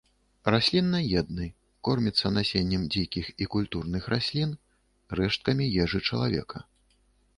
Расліннаедны, корміцца насеннем дзікіх і культурных раслін, рэшткамі ежы чалавека.